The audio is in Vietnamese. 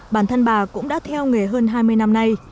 bản thân bà cũng đã theo nghề hơn hai mươi năm nay